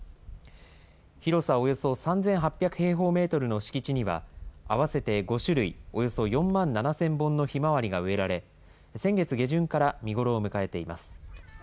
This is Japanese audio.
広さおよそ３８００平方メートルの敷地には、合わせて５種類およそ４万７０００本のひまわりが植えられ、先月下旬から見頃を迎えています。